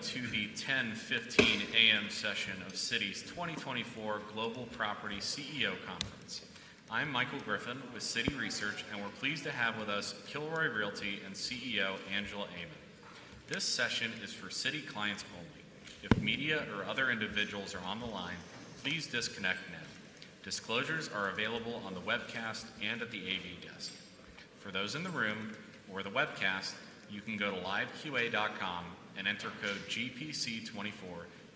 Welcome to the 10:15 A.M. session of Citi's 2024 Global Property CEO Conference. I'm Michael Griffin with Citi Research, and we're pleased to have with us Kilroy Realty and CEO, Angela Aman. This session is for Citi clients only. If media or other individuals are on the line, please disconnect now. Disclosures are available on the webcast and at the AV desk. For those in the room or the webcast, you can go to liveqa.com and enter code GPC24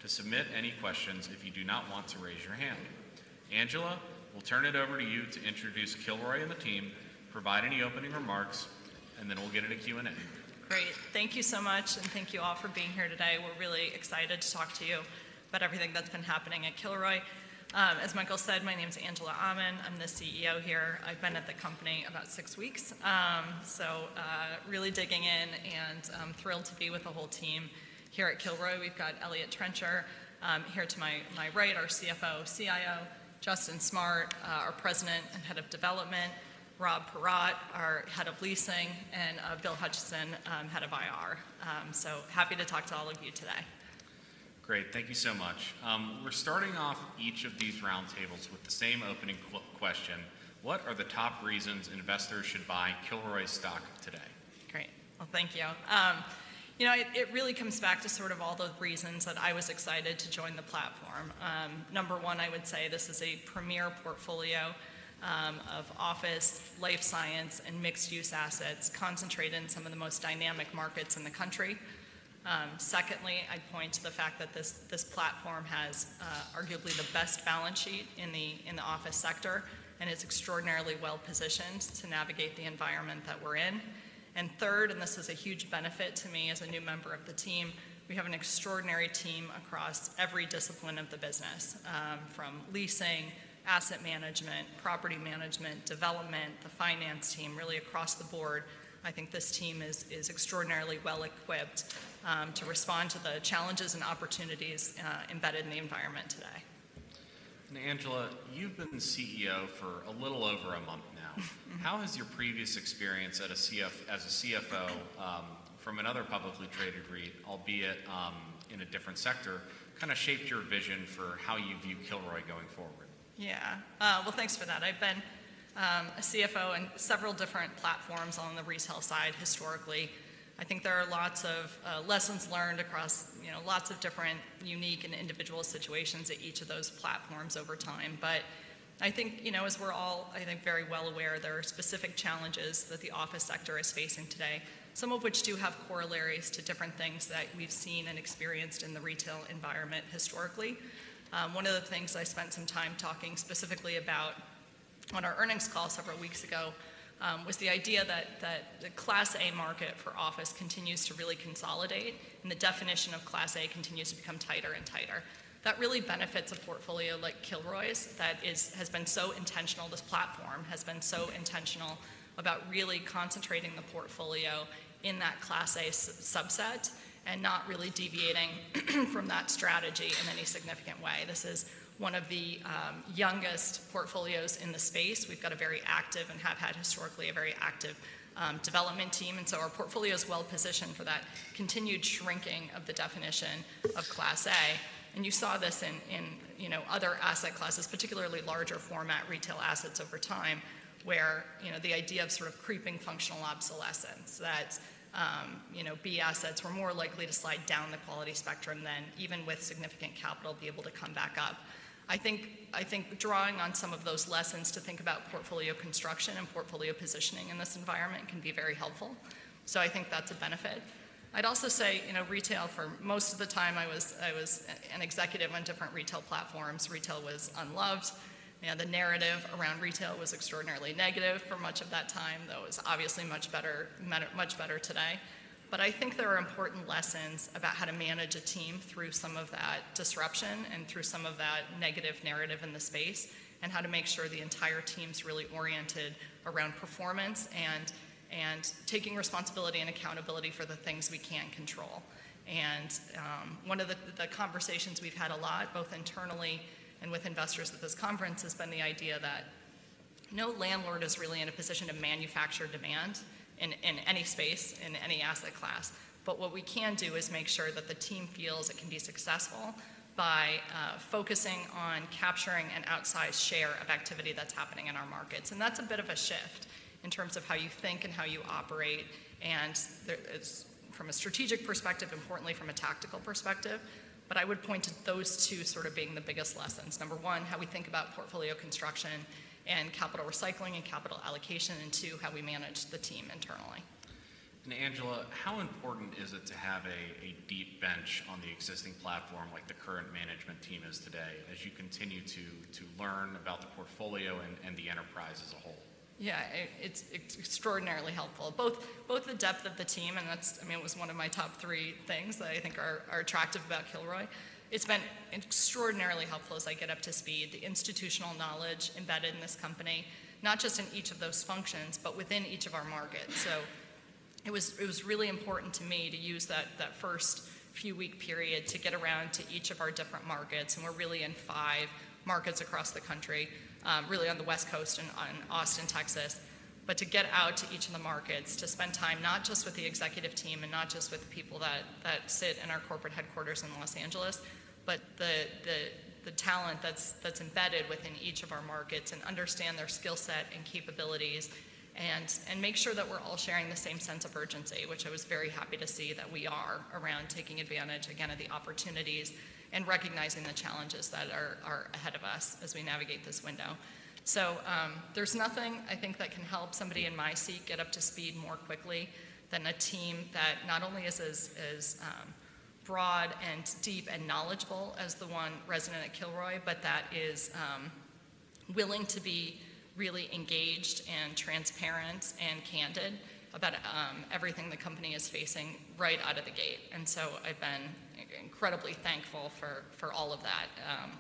to submit any questions if you do not want to raise your hand. Angela, we'll turn it over to you to introduce Kilroy and the team, provide any opening remarks, and then we'll get into Q&A. Great. Thank you so much, and thank you all for being here today. We're really excited to talk to you about everything that's been happening at Kilroy. As Michael said, my name is Angela Aman. I'm the CEO here. I've been at the company about six weeks, so really digging in and thrilled to be with the whole team here at Kilroy. We've got Eliott Trencher here to my right, our CFO, CIO. Justin Smart, our President and Head of Development. Rob Paratte, our Head of Leasing, and Bill Hutchison, Head of IR. So happy to talk to all of you today. Great. Thank you so much. We're starting off each of these round tables with the same opening question: What are the top reasons investors should buy Kilroy stock today? Great. Well, thank you. You know, it really comes back to sort of all the reasons that I was excited to join the platform. Number one, I would say this is a premier portfolio of office, life science, and mixed-use assets concentrated in some of the most dynamic markets in the country. Secondly, I'd point to the fact that this platform has arguably the best balance sheet in the office sector and is extraordinarily well-positioned to navigate the environment that we're in. And third, and this is a huge benefit to me as a new member of the team, we have an extraordinary team across every discipline of the business, from leasing, asset management, property management, development, the finance team, really across the board. I think this team is extraordinarily well-equipped to respond to the challenges and opportunities embedded in the environment today. Angela, you've been CEO for a little over a month now. How has your previous experience as a CFO from another publicly traded REIT, albeit, in a different sector, kinda shaped your vision for how you view Kilroy going forward? Yeah. Well, thanks for that. I've been a CFO in several different platforms on the retail side, historically. I think there are lots of lessons learned across, you know, lots of different unique and individual situations at each of those platforms over time. But I think, you know, as we're all, I think, very well aware, there are specific challenges that the office sector is facing today, some of which do have corollaries to different things that we've seen and experienced in the retail environment historically. One of the things I spent some time talking specifically about on our earnings call several weeks ago was the idea that the Class A market for office continues to really consolidate, and the definition of Class A continues to become tighter and tighter. That really benefits a portfolio like Kilroy's, that is, has been so intentional, this platform has been so intentional about really concentrating the portfolio in that Class A sub-subset and not really deviating from that strategy in any significant way. This is one of the youngest portfolios in the space. We've got a very active and have had historically a very active development team, and so our portfolio is well-positioned for that continued shrinking of the definition of Class A. And you saw this in, you know, other asset classes, particularly larger format retail assets over time, where, you know, the idea of sort of creeping functional obsolescence, that, you know, B assets were more likely to slide down the quality spectrum than even with significant capital, be able to come back up. I think, I think drawing on some of those lessons to think about portfolio construction and portfolio positioning in this environment can be very helpful. So I think that's a benefit. I'd also say, you know, retail, for most of the time, I was, I was an executive on different retail platforms. Retail was unloved, you know, the narrative around retail was extraordinarily negative for much of that time, though it's obviously much better, much better today. But I think there are important lessons about how to manage a team through some of that disruption and through some of that negative narrative in the space, and how to make sure the entire team's really oriented around performance and, and taking responsibility and accountability for the things we can't control. One of the conversations we've had a lot, both internally and with investors at this conference, has been the idea that no landlord is really in a position to manufacture demand in any space, in any asset class. But what we can do is make sure that the team feels it can be successful by focusing on capturing an outsized share of activity that's happening in our markets. And that's a bit of a shift in terms of how you think and how you operate, and from a strategic perspective, importantly, from a tactical perspective. But I would point to those two sort of being the biggest lessons. Number one, how we think about portfolio construction and capital recycling and capital allocation, and two, how we manage the team internally. Angela, how important is it to have a deep bench on the existing platform like the current management team is today, as you continue to learn about the portfolio and the enterprise as a whole? Yeah, it's extraordinarily helpful. Both the depth of the team, and that's—I mean, it was one of my top three things that I think are attractive about Kilroy. It's been extraordinarily helpful as I get up to speed, the institutional knowledge embedded in this company, not just in each of those functions, but within each of our markets. It was really important to me to use that first few week period to get around to each of our different markets, and we're really in five markets across the country, really on the West Coast and on Austin, Texas. But to get out to each of the markets, to spend time not just with the executive team and not just with the people that sit in our corporate headquarters in Los Angeles, but the talent that's embedded within each of our markets and understand their skill set and capabilities and make sure that we're all sharing the same sense of urgency, which I was very happy to see that we are around taking advantage again of the opportunities and recognizing the challenges that are ahead of us as we navigate this window. So, there's nothing, I think, that can help somebody in my seat get up to speed more quickly than a team that not only is as broad and deep and knowledgeable as the one resident at Kilroy, but that is willing to be really engaged and transparent and candid about everything the company is facing right out of the gate. And so I've been incredibly thankful for all of that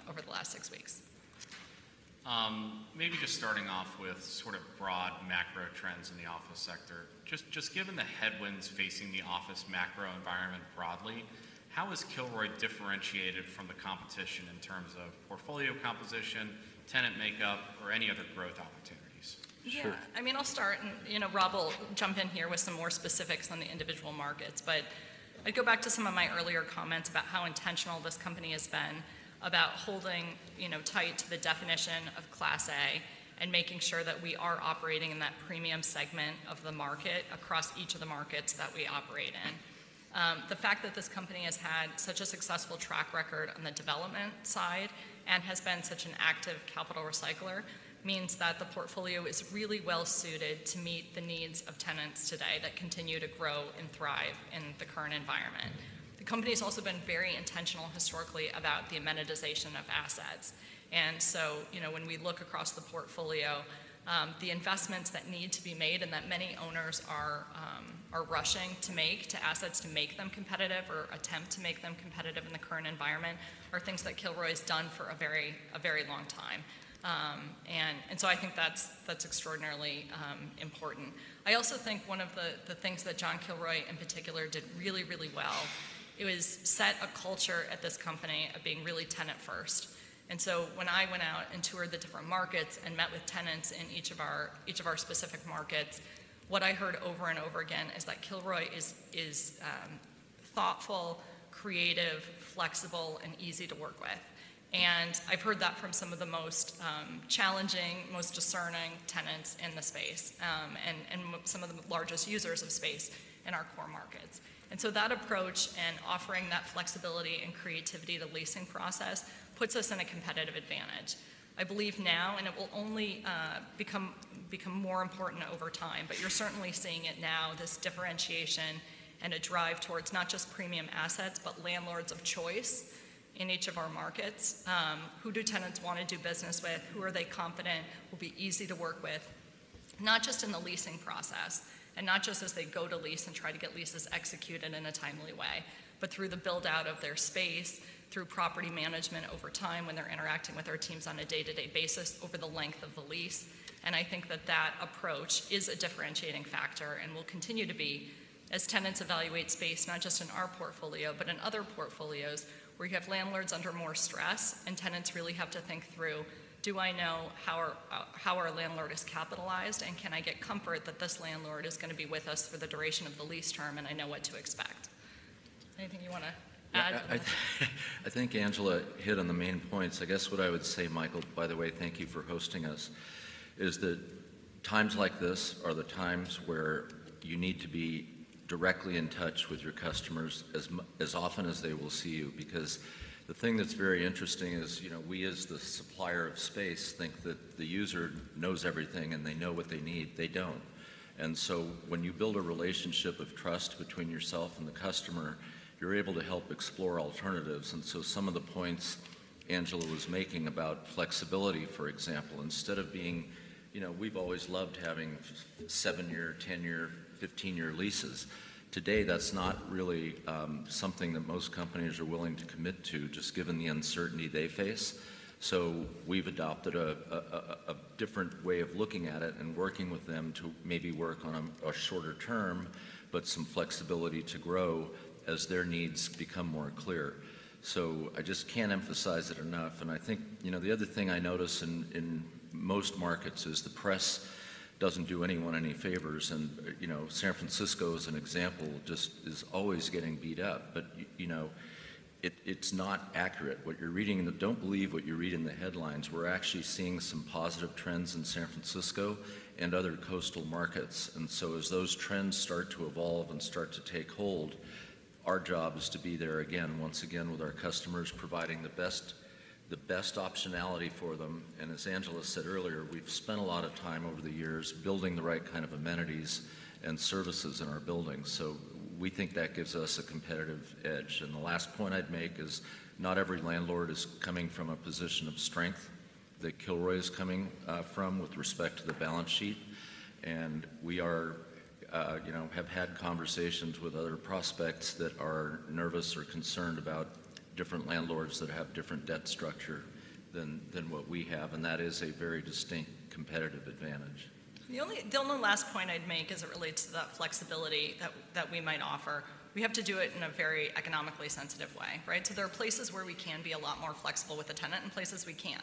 over the last six weeks. Maybe just starting off with sort of broad macro trends in the office sector. Just given the headwinds facing the office macro environment broadly, how is Kilroy differentiated from the competition in terms of portfolio composition, tenant makeup, or any other growth opportunities? Yeah. Sure. I mean, I'll start and, you know, Rob will jump in here with some more specifics on the individual markets. But I'd go back to some of my earlier comments about how intentional this company has been about holding, you know, tight to the definition of Class A, and making sure that we are operating in that premium segment of the market across each of the markets that we operate in. The fact that this company has had such a successful track record on the development side and has been such an active capital recycler means that the portfolio is really well suited to meet the needs of tenants today that continue to grow and thrive in the current environment. The company has also been very intentional historically about the amenitization of assets. You know, when we look across the portfolio, the investments that need to be made and that many owners are rushing to make to assets to make them competitive or attempt to make them competitive in the current environment are things that Kilroy has done for a very, a very long time. I think that's extraordinarily important. I also think one of the things that John Kilroy in particular did really, really well, it was set a culture at this company of being really tenant first. When I went out and toured the different markets and met with tenants in each of our specific markets, what I heard over and over again is that Kilroy is thoughtful, creative, flexible, and easy to work with. I've heard that from some of the most challenging, most discerning tenants in the space, and some of the largest users of space in our core markets. So that approach and offering that flexibility and creativity to the leasing process puts us in a competitive advantage. I believe now, and it will only become more important over time, but you're certainly seeing it now, this differentiation and a drive towards not just premium assets, but landlords of choice in each of our markets. Who do tenants want to do business with? Who are they confident will be easy to work with, not just in the leasing process and not just as they go to lease and try to get leases executed in a timely way, but through the build-out of their space, through property management over time when they're interacting with our teams on a day-to-day basis over the length of the lease. And I think that that approach is a differentiating factor and will continue to be as tenants evaluate space, not just in our portfolio, but in other portfolios, where you have landlords under more stress and tenants really have to think through: Do I know how our landlord is capitalized, and can I get comfort that this landlord is gonna be with us for the duration of the lease term, and I know what to expect? Anything you wanna add? I think Angela hit on the main points. I guess what I would say, Michael, by the way, thank you for hosting us, is that times like this are the times where you need to be directly in touch with your customers as often as they will see you. Because the thing that's very interesting is, you know, we as the supplier of space, think that the user knows everything and they know what they need. They don't. And so when you build a relationship of trust between yourself and the customer, you're able to help explore alternatives. And so some of the points Angela was making about flexibility, for example, instead of being, you know, we've always loved having 7-year, 10-year, 15-year leases. Today, that's not really something that most companies are willing to commit to, just given the uncertainty they face. So we've adopted a different way of looking at it and working with them to maybe work on a shorter term, but some flexibility to grow as their needs become more clear. So I just can't emphasize it enough. And I think, you know, the other thing I notice in most markets is the press doesn't do anyone any favors. And, you know, San Francisco as an example, just is always getting beat up. But, you know, it's not accurate. What you're reading in the headlines. Don't believe what you read in the headlines. We're actually seeing some positive trends in San Francisco and other coastal markets. And so as those trends start to evolve and start to take hold, our job is to be there again, once again with our customers, providing the best, the best optionality for them. As Angela said earlier, we've spent a lot of time over the years building the right kind of amenities and services in our buildings, so we think that gives us a competitive edge. The last point I'd make is, not every landlord is coming from a position of strength that Kilroy is coming from with respect to the balance sheet. We are, you know, have had conversations with other prospects that are nervous or concerned about different landlords that have different debt structure than what we have, and that is a very distinct competitive advantage. The only last point I'd make as it relates to that flexibility that we might offer, we have to do it in a very economically sensitive way, right? So there are places where we can be a lot more flexible with the tenant and places we can't,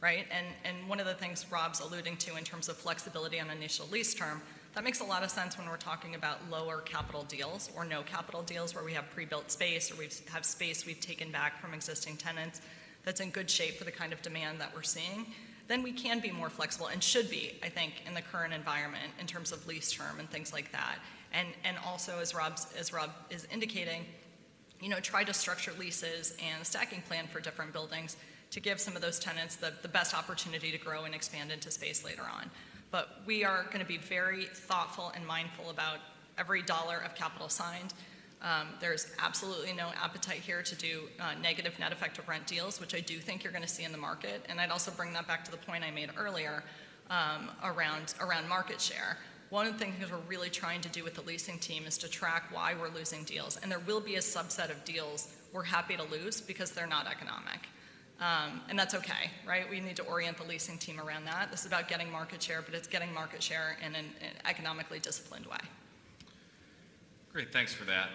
right? And one of the things Rob's alluding to in terms of flexibility on initial lease term, that makes a lot of sense when we're talking about lower capital deals or no capital deals, where we have pre-built space or we have space we've taken back from existing tenants that's in good shape for the kind of demand that we're seeing. Then we can be more flexible and should be, I think, in the current environment in terms of lease term and things like that. And also, as Rob is indicating, you know, try to structure leases and the stacking plan for different buildings to give some of those tenants the best opportunity to grow and expand into space later on. But we are gonna be very thoughtful and mindful about every dollar of capital signed. There's absolutely no appetite here to do negative net effective Rent deals, which I do think you're gonna see in the market. And I'd also bring that back to the point I made earlier, around market share. One of the things we're really trying to do with the leasing team is to track why we're losing deals, and there will be a subset of deals we're happy to lose because they're not economic. And that's okay, right? We need to orient the leasing team around that. This is about getting market share, but it's getting market share in an economically disciplined way. Great, thanks for that.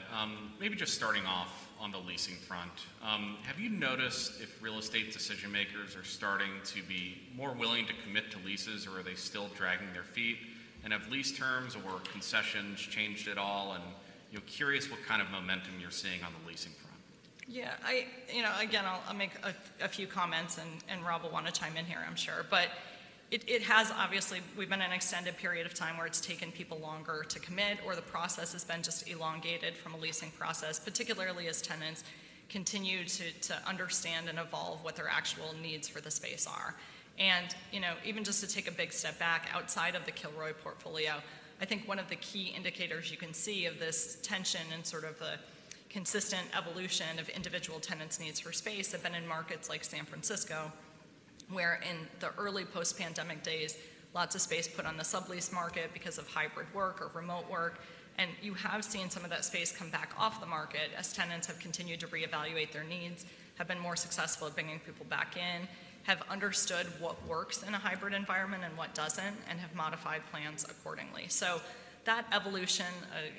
Maybe just starting off on the leasing front. Have you noticed if real estate decision-makers are starting to be more willing to commit to leases, or are they still dragging their feet? And have lease terms or concessions changed at all? And, you know, curious what kind of momentum you're seeing on the leasing front? Yeah, you know, again, I'll make a few comments and Rob will wanna chime in here, I'm sure. But it has obviously. We've been in an extended period of time where it's taken people longer to commit, or the process has been just elongated from a leasing process, particularly as tenants continue to understand and evolve what their actual needs for the space are. You know, even just to take a big step back outside of the Kilroy portfolio, I think one of the key indicators you can see of this tension and sort of the consistent evolution of individual tenants' needs for space have been in markets like San Francisco, where in the early post-pandemic days, lots of space put on the sublease market because of hybrid work or remote work. You have seen some of that space come back off the market as tenants have continued to reevaluate their needs, have been more successful at bringing people back in, have understood what works in a hybrid environment and what doesn't, and have modified plans accordingly. That evolution,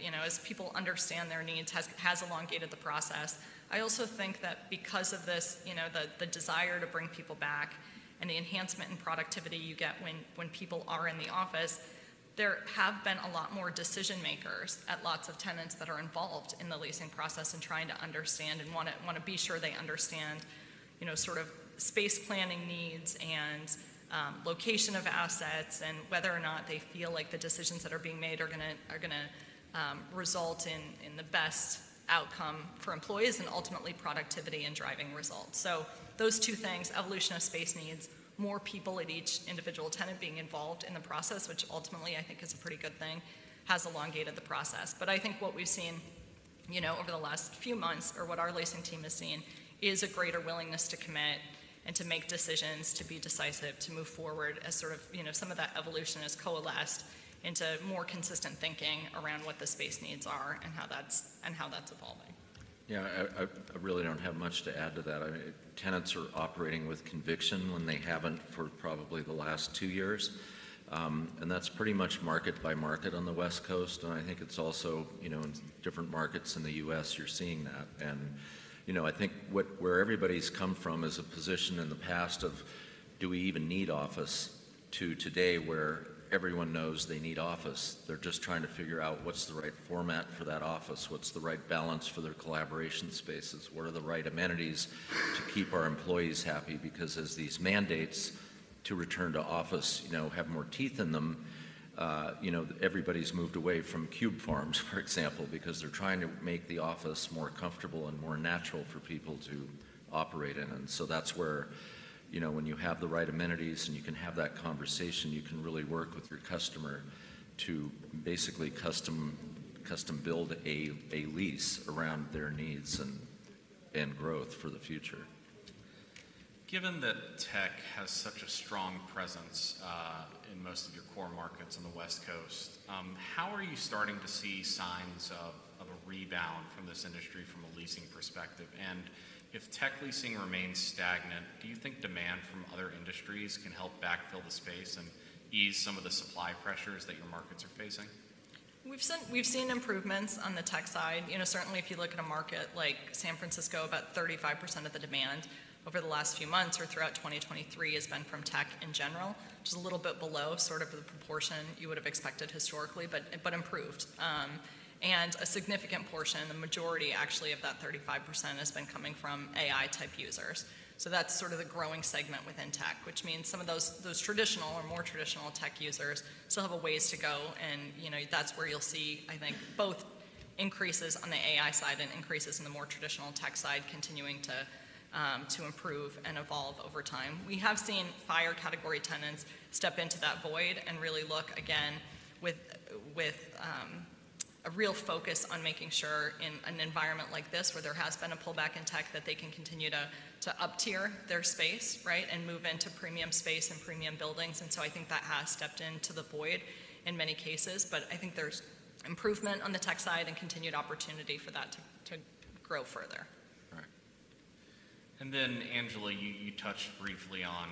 you know, as people understand their needs, has elongated the process. I also think that because of this, you know, the desire to bring people back and the enhancement in productivity you get when people are in the office, there have been a lot more decision-makers at lots of tenants that are involved in the leasing process and trying to understand and wanna be sure they understand, you know, sort of space planning needs and location of assets and whether or not they feel like the decisions that are being made are gonna result in the best outcome for employees and ultimately productivity and driving results. So those two things, evolution of space needs, more people at each individual tenant being involved in the process, which ultimately I think is a pretty good thing, has elongated the process. But I think what we've seen, you know, over the last few months or what our leasing team has seen, is a greater willingness to commit and to make decisions, to be decisive, to move forward as sort of, you know, some of that evolution has coalesced into more consistent thinking around what the space needs are and how that's, and how that's evolving. Yeah, I really don't have much to add to that. I mean, tenants are operating with conviction when they haven't for probably the last two years. And that's pretty much market by market on the West Coast, and I think it's also, you know, in different markets in the US, you're seeing that. You know, I think where everybody's come from is a position in the past of, "Do we even need office?" To today, where everyone knows they need office. They're just trying to figure out what's the right format for that office, what's the right balance for their collaboration spaces, what are the right amenities to keep our employees happy? Because as these mandates to return to office, you know, have more teeth in them, everybody's moved away from cube farms, for example, because they're trying to make the office more comfortable and more natural for people to operate in. And so that's where, you know, when you have the right amenities and you can have that conversation, you can really work with your customer to basically custom build a lease around their needs and growth for the future. Given that tech has such a strong presence in most of your core markets on the West Coast, how are you starting to see signs of a rebound from this industry from a leasing perspective? And if tech leasing remains stagnant, do you think demand from other industries can help backfill the space and ease some of the supply pressures that your markets are facing? We've seen improvements on the tech side. You know, certainly if you look at a market like San Francisco, about 35% of the demand over the last few months or throughout 2023 has been from tech in general, which is a little bit below sort of the proportion you would have expected historically, but improved. And a significant portion, the majority actually of that 35%, has been coming from AI-type users. So that's sort of the growing segment within tech, which means some of those traditional or more traditional tech users still have a ways to go. You know, that's where you'll see, I think, both increases on the AI side and increases in the more traditional tech side continuing to improve and evolve over time. We have seen higher category tenants step into that void and really look again with a real focus on making sure in an environment like this, where there has been a pullback in tech, that they can continue to up-tier their space, right, and move into premium space and premium buildings. And so I think that has stepped into the void in many cases. But I think there's improvement on the tech side and continued opportunity for that to grow further. All right. And then, Angela, you touched briefly on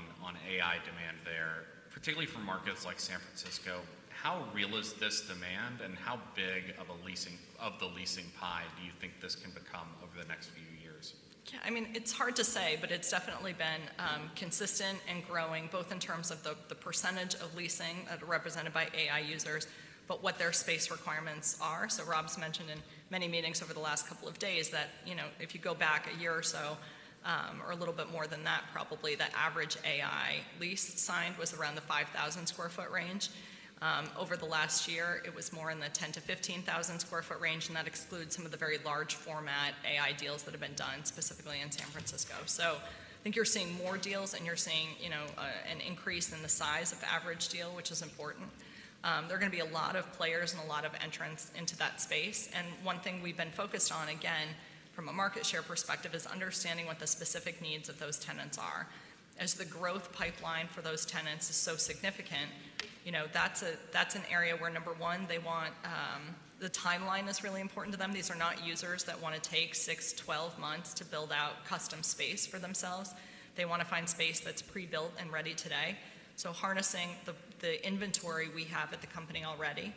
AI demand there, particularly for markets like San Francisco. How real is this demand, and how big of a leasing pie do you think this can become over the next few years? Yeah, I mean, it's hard to say, but it's definitely been consistent and growing, both in terms of the percentage of leasing represented by AI users, but what their space requirements are. So Rob's mentioned in many meetings over the last couple of days that, you know, if you go back a year or so, or a little bit more than that, probably the average AI lease signed was around the 5,000-sq ft range. Over the last year, it was more in the 10,000- to 15,000-sq ft range, and that excludes some of the very large format AI deals that have been done, specifically in San Francisco. So I think you're seeing more deals, and you're seeing, you know, an increase in the size of the average deal, which is important. There are going to be a lot of players and a lot of entrants into that space, and one thing we've been focused on, again, from a market share perspective, is understanding what the specific needs of those tenants are. As the growth pipeline for those tenants is so significant, you know, that's an area where, number one, they want. The timeline is really important to them. These are not users that want to take 6, 12 months to build out custom space for themselves. They want to find space that's pre-built and ready today. So harnessing the inventory we have at the company already,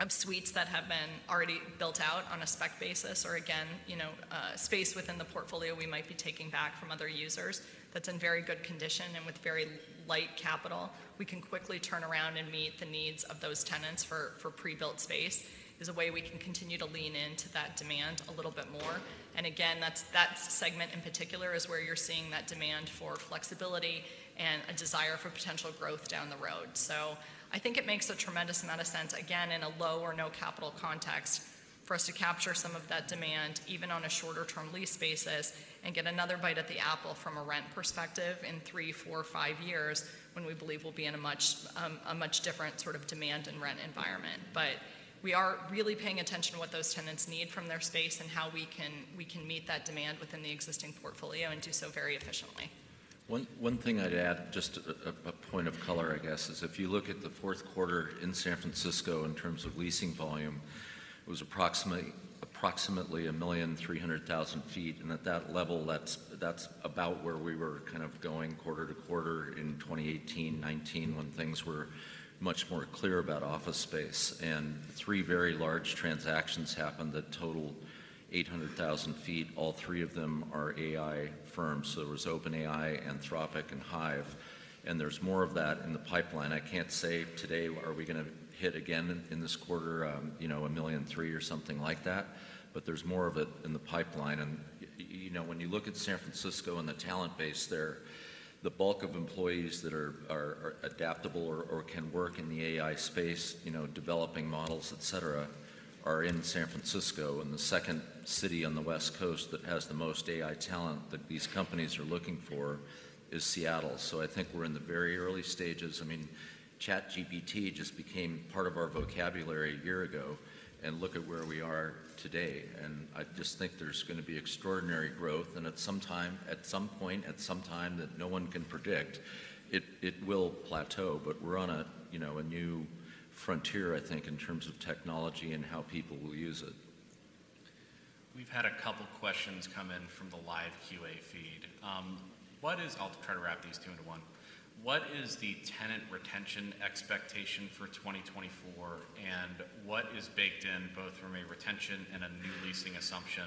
of suites that have been already built out on a spec basis, or again, you know, space within the portfolio we might be taking back from other users that's in very good condition and with very light capital, we can quickly turn around and meet the needs of those tenants for pre-built space, is a way we can continue to lean into that demand a little bit more. And again, that's that segment in particular is where you're seeing that demand for flexibility and a desire for potential growth down the road. I think it makes a tremendous amount of sense, again, in a low or no capital context, for us to capture some of that demand, even on a shorter-term lease basis, and get another bite at the apple from a rent perspective in three, four, five years, when we believe we'll be in a much, a much different sort of demand and rent environment. But we are really paying attention to what those tenants need from their space and how we can meet that demand within the existing portfolio and do so very efficiently. One thing I'd add, just a point of color, I guess, is if you look at the fourth quarter in San Francisco in terms of leasing volume, it was approximately 1.3 million sq ft, and at that level, that's about where we were kind of going quarter to quarter in 2018, 2019, when things were much more clear about office space. Three very large transactions happened that totaled 800,000 sq ft. All three of them are AI firms. So there was OpenAI, Anthropic, and Hive, and there's more of that in the pipeline. I can't say today, are we going to hit again in this quarter, you know, 1.3 million or something like that, but there's more of it in the pipeline. And you know, when you look at San Francisco and the talent base there, the bulk of employees that are adaptable or can work in the AI space, you know, developing models, et cetera, are in San Francisco, and the second city on the West Coast that has the most AI talent that these companies are looking for is Seattle. So I think we're in the very early stages. I mean, ChatGPT just became part of our vocabulary a year ago, and look at where we are today. And I just think there's going to be extraordinary growth, and at some time, at some point, at some time that no one can predict, it will plateau, but we're on a, you know, a new frontier, I think, in terms of technology and how people will use it. We've had a couple questions come in from the live QA feed. I'll try to wrap these two into one. What is the tenant retention expectation for 2024, and what is baked in, both from a retention and a new leasing assumption,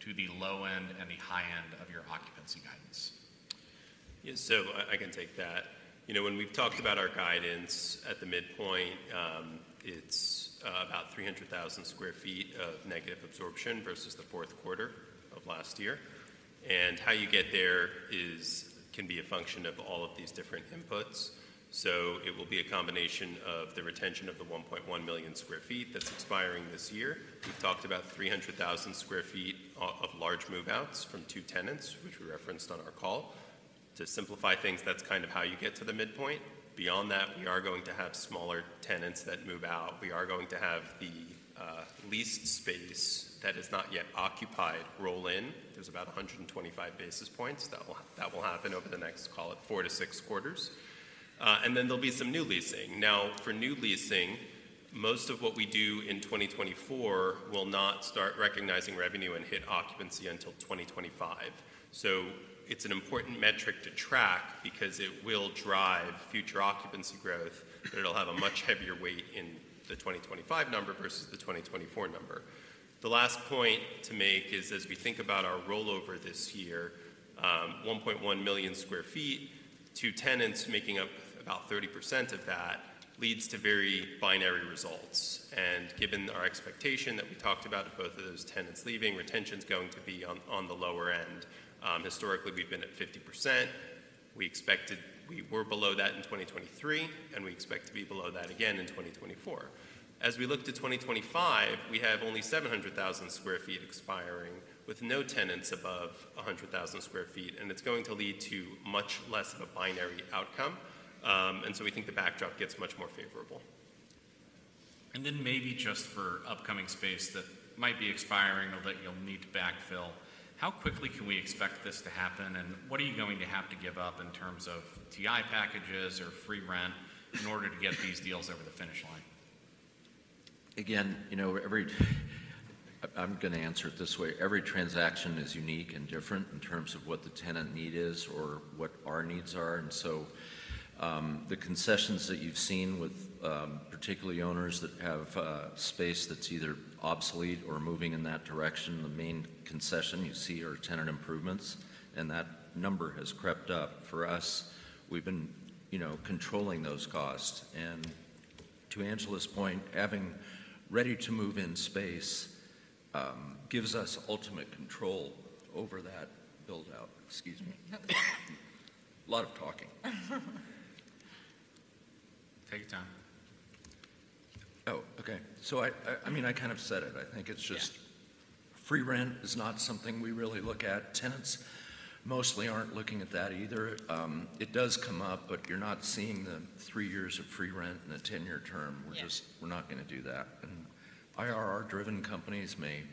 to the low end and the high end of your occupancy guidance? Yeah, so I, I can take that. You know, when we've talked about our guidance at the midpoint, it's about 300,000 sq ft of negative absorption versus the fourth quarter of last year. And how you get there is, can be a function of all of these different inputs. So it will be a combination of the retention of the 1.1 million sq ft that's expiring this year. We've talked about 300,000 sq ft of large move-outs from 2 tenants, which we referenced on our call. To simplify things, that's kind of how you get to the midpoint. Beyond that, we are going to have smaller tenants that move out. We are going to have the leased space that is not yet occupied roll in. There's about 125 basis points that will happen over the next, call it, 4-6 quarters. And then there'll be some new leasing. Now, for new leasing, most of what we do in 2024 will not start recognizing revenue and hit occupancy until 2025. So it's an important metric to track because it will drive future occupancy growth, but it'll have a much heavier weight in the 2025 number versus the 2024 number. The last point to make is, as we think about our rollover this year, 1.1 million sq ft, 2 tenants making up about 30% of that, leads to very binary results. Given our expectation that we talked about of both of those tenants leaving, retention's going to be on the lower end. Historically, we've been at 50%. We were below that in 2023, and we expect to be below that again in 2024. As we look to 2025, we have only 700,000 sq ft expiring, with no tenants above 100,000 sq ft, and it's going to lead to much less of a binary outcome. And so we think the backdrop gets much more favorable. Maybe just for upcoming space that might be expiring or that you'll need to backfill, how quickly can we expect this to happen, and what are you going to have to give up in terms of TI packages or free rent in order to get these deals over the finish line?... Again, you know, I'm going to answer it this way: Every transaction is unique and different in terms of what the tenant need is or what our needs are. And so, the concessions that you've seen with, particularly owners that have, space that's either obsolete or moving in that direction, the main concession you see are tenant improvements, and that number has crept up. For us, we've been, you know, controlling those costs. And to Angela's point, having ready-to-move-in space, gives us ultimate control over that build-out. Excuse me. A lot of talking. Take your time. Oh, okay. So I mean, I kind of said it. I think it's just- Yeah. Free rent is not something we really look at. Tenants mostly aren't looking at that either. It does come up, but you're not seeing the 3 years of free rent and a 10-year term. Yeah. We're just not going to do that. And IRR-driven companies may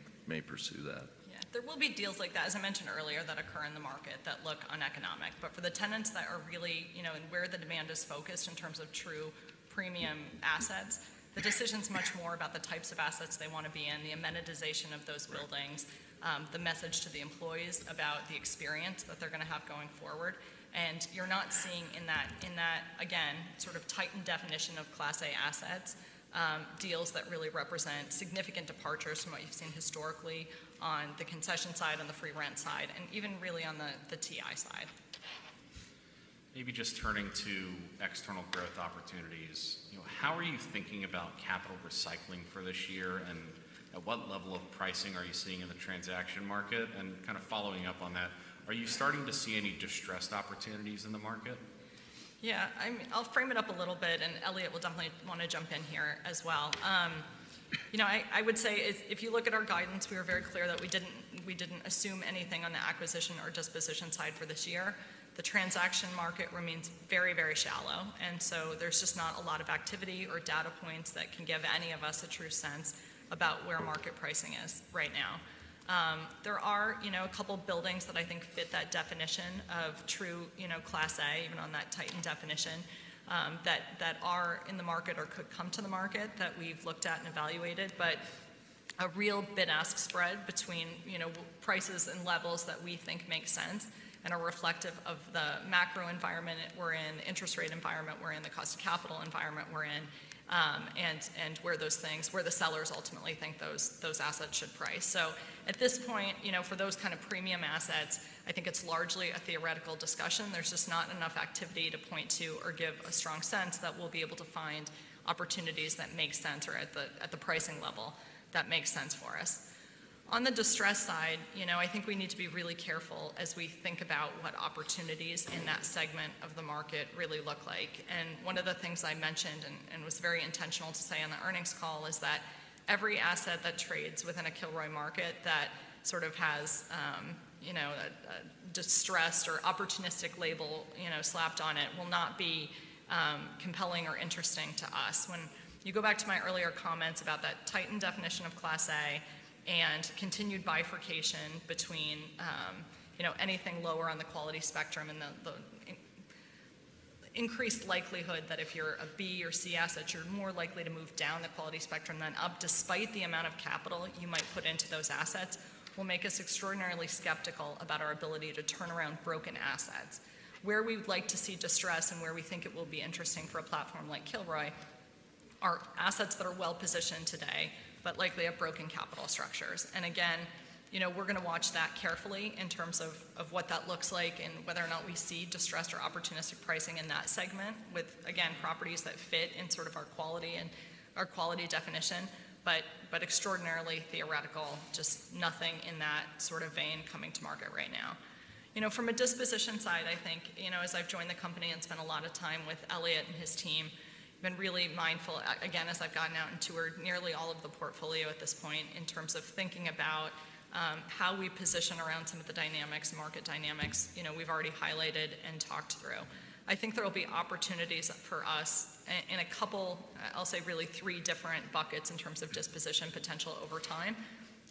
pursue that. Yeah. There will be deals like that, as I mentioned earlier, that occur in the market that look uneconomic. But for the tenants that are really, you know, and where the demand is focused in terms of true premium assets, the decision's much more about the types of assets they want to be in, the amenitization of those buildings. Right, the message to the employees about the experience that they're going to have going forward. And you're not seeing in that again sort of tightened definition of Class A assets deals that really represent significant departures from what you've seen historically on the concession side on the free rent side and even really on the TI side. Maybe just turning to external growth opportunities, you know, how are you thinking about capital recycling for this year, and at what level of pricing are you seeing in the transaction market? And kind of following up on that, are you starting to see any distressed opportunities in the market? Yeah, I'll frame it up a little bit, and Eliott will definitely want to jump in here as well. You know, I would say if you look at our guidance, we were very clear that we didn't assume anything on the acquisition or disposition side for this year. The transaction market remains very, very shallow, and so there's just not a lot of activity or data points that can give any of us a true sense about where market pricing is right now. There are, you know, a couple buildings that I think fit that definition of true, you know, Class A, even on that tightened definition, that are in the market or could come to the market that we've looked at and evaluated. But a real bid-ask spread between, you know, prices and levels that we think make sense and are reflective of the macro environment we're in, interest rate environment we're in, the cost of capital environment we're in, and where those things, where the sellers ultimately think those assets should price. At this point, you know, for those kind of premium assets, I think it's largely a theoretical discussion. There's just not enough activity to point to or give a strong sense that we'll be able to find opportunities that make sense or at the pricing level that makes sense for us. On the distress side, you know, I think we need to be really careful as we think about what opportunities in that segment of the market really look like. One of the things I mentioned, and was very intentional to say on the earnings call, is that every asset that trades within a Kilroy market that sort of has, you know, a distressed or opportunistic label, you know, slapped on it, will not be compelling or interesting to us. When you go back to my earlier comments about that tightened definition of Class A and continued bifurcation between, you know, anything lower on the quality spectrum and the increased likelihood that if you're a B or C asset, you're more likely to move down the quality spectrum than up, despite the amount of capital you might put into those assets, will make us extraordinarily skeptical about our ability to turn around broken assets. Where we would like to see distress and where we think it will be interesting for a platform like Kilroy are assets that are well-positioned today, but likely have broken capital structures. And again, you know, we're going to watch that carefully in terms of what that looks like and whether or not we see distressed or opportunistic pricing in that segment with, again, properties that fit in sort of our quality and our quality definition, but extraordinarily theoretical, just nothing in that sort of vein coming to market right now. You know, from a disposition side, I think, you know, as I've joined the company and spent a lot of time with Eliott and his team, been really mindful, again, as I've gotten out and toured nearly all of the portfolio at this point, in terms of thinking about how we position around some of the dynamics, market dynamics, you know, we've already highlighted and talked through. I think there will be opportunities for us in a couple. I'll say really three different buckets in terms of disposition potential over time.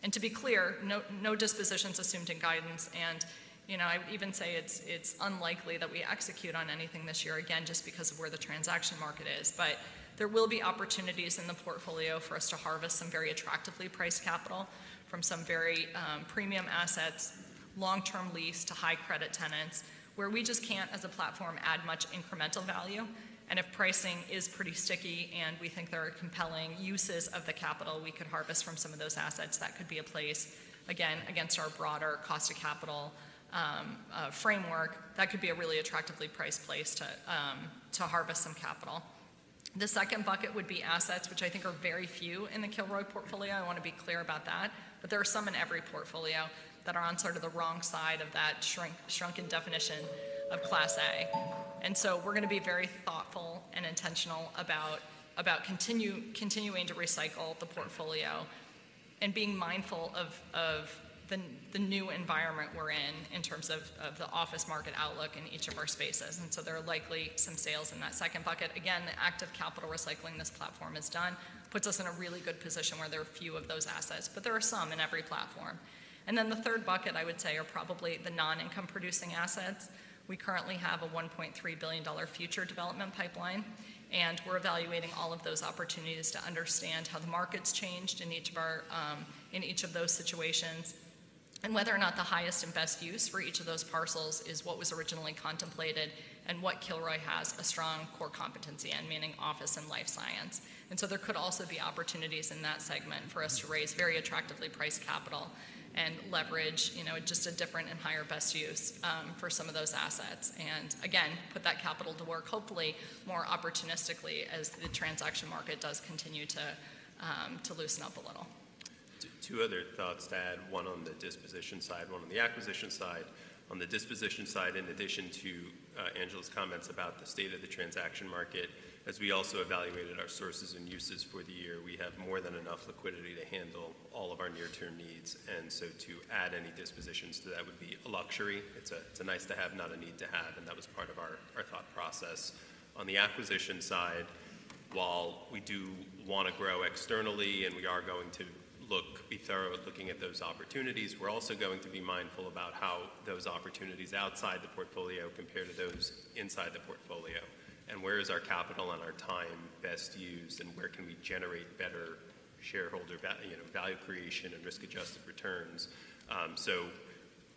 And to be clear, no, no dispositions assumed in guidance. And, you know, I would even say it's unlikely that we execute on anything this year, again, just because of where the transaction market is. But there will be opportunities in the portfolio for us to harvest some very attractively priced capital from some very premium assets, long-term lease to high-credit tenants, where we just can't, as a platform, add much incremental value. If pricing is pretty sticky and we think there are compelling uses of the capital we could harvest from some of those assets, that could be a place, again, against our broader cost of capital framework, that could be a really attractively priced place to harvest some capital. The second bucket would be assets, which I think are very few in the Kilroy portfolio. I want to be clear about that. But there are some in every portfolio that are on sort of the wrong side of that shrunken definition of Class A. So we're going to be very thoughtful and intentional about continuing to recycle the portfolio and being mindful of the new environment we're in, in terms of the office market outlook in each of our spaces. And so there are likely some sales in that second bucket. Again, the active capital recycling this platform has done puts us in a really good position where there are few of those assets, but there are some in every platform. And then the third bucket, I would say, are probably the non-income producing assets. We currently have a $1.3 billion future development pipeline, and we're evaluating all of those opportunities to understand how the market's changed in each of our, in each of those situations and whether or not the highest and best use for each of those parcels is what was originally contemplated, and what Kilroy has a strong core competency in, meaning office and life science. There could also be opportunities in that segment for us to raise very attractively priced capital and leverage, you know, just a different and higher best use for some of those assets. Put that capital to work, hopefully more opportunistically, as the transaction market does continue to loosen up a little. Two other thoughts to add, one on the disposition side, one on the acquisition side. On the disposition side, in addition to Angela's comments about the state of the transaction market, as we also evaluated our sources and uses for the year, we have more than enough liquidity to handle all of our near-term needs, and so to add any dispositions to that would be a luxury. It's a nice to have, not a need to have, and that was part of our thought process. On the acquisition side, while we do want to grow externally and we are going to look to be thorough at looking at those opportunities, we're also going to be mindful about how those opportunities outside the portfolio compare to those inside the portfolio. Where is our capital and our time best used, and where can we generate better shareholder value, you know, value creation and risk-adjusted returns? So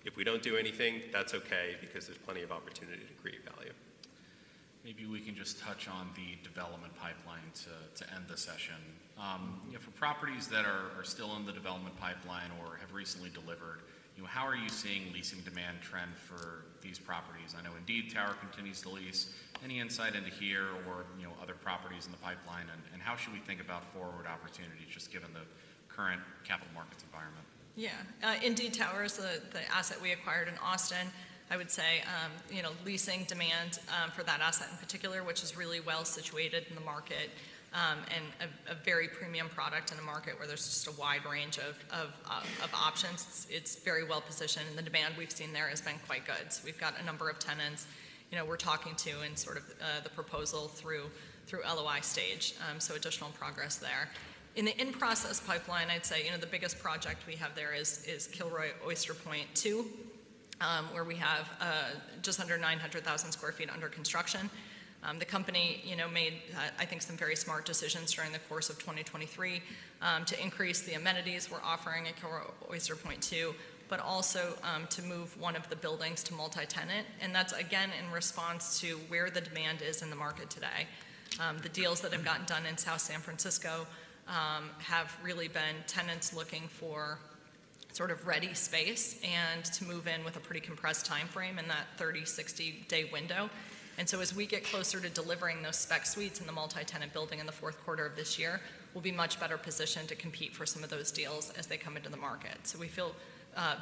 if we don't do anything, that's okay, because there's plenty of opportunity to create value. Maybe we can just touch on the development pipeline to end the session. You know, for properties that are still in the development pipeline or have recently delivered, you know, how are you seeing leasing demand trend for these properties? I know Indeed Tower continues to lease. Any insight into here or, you know, other properties in the pipeline, and how should we think about forward opportunities, just given the current capital markets environment? Yeah. Indeed Tower is the asset we acquired in Austin. I would say, you know, leasing demand for that asset in particular, which is really well-situated in the market, and a very premium product in a market where there's just a wide range of options, it's very well-positioned, and the demand we've seen there has been quite good. So we've got a number of tenants, you know, we're talking to in sort of the proposal through LOI stage, so additional progress there. In the in-process pipeline, I'd say, you know, the biggest project we have there is Kilroy Oyster Point Two, where we have just under 900,000 sq ft under construction. The company, you know, made, I think, some very smart decisions during the course of 2023 to increase the amenities we're offering at Kilroy Oyster Point Two, but also to move one of the buildings to multi-tenant, and that's again in response to where the demand is in the market today. The deals that have gotten done in South San Francisco have really been tenants looking for sort of ready space and to move in with a pretty compressed timeframe in that 30, 60-day window. And so as we get closer to delivering those spec suites in the multi-tenant building in the fourth quarter of this year, we'll be much better positioned to compete for some of those deals as they come into the market. So we feel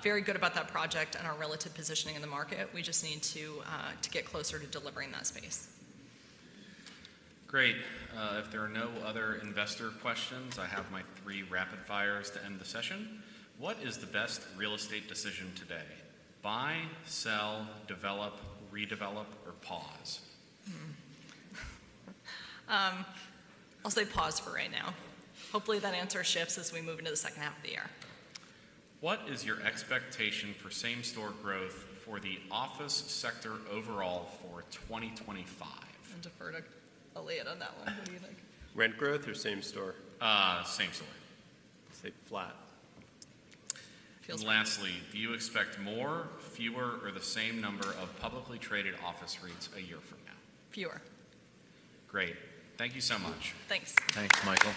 very good about that project and our relative positioning in the market. We just need to get closer to delivering that space. Great. If there are no other investor questions, I have my three rapid fires to end the session. What is the best real estate decision today? Buy, sell, develop, redevelop, or pause? I'll say pause for right now. Hopefully, that answer shifts as we move into the second half of the year. What is your expectation for same-store growth for the office sector overall for 2025? I'll defer to Eliott on that one. What do you think? Rent growth or same store? Same store. Say flat. Feels- And lastly, do you expect more, fewer, or the same number of publicly traded office REITs a year from now? Fewer. Great. Thank you so much. Thanks. Thanks, Michael.